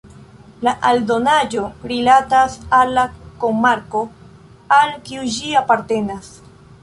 La aldonaĵo rilatas al la komarko al kiu ĝi apartenas.